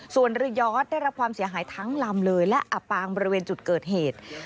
ส่วนเรือยอดได้รับความเสียหายทั้งลำเลยและอับปางบริเวณจุดเกิดเหตุ